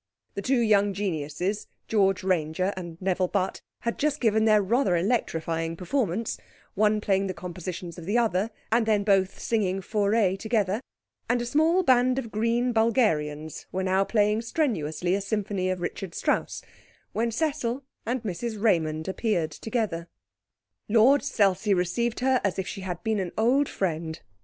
The two young geniuses, George Ranger and Nevil Butt, had just given their rather electrifying performance, one playing the compositions of the other, and then both singing Fauré together, and a small band of Green Bulgarians were now playing strenuously a symphony of Richard Strauss, when Cecil and Mrs Raymond appeared together. Lord Selsey received her as if she had been an old friend.